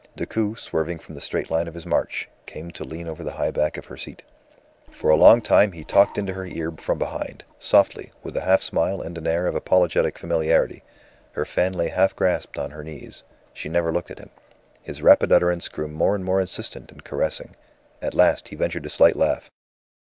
Decoud, swerving from the straight line of his march, came to lean over the high back of her seat. For a long time he talked into her ear from behind, softly, with a half smile and an air of apologetic familiarity. Her fan lay half grasped on her knees. She never looked at him. His rapid utterance grew more and more insistent and caressing. At last he ventured a slight laugh.